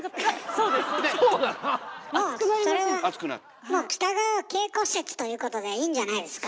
それはもう北川景子説ということでいいんじゃないですか？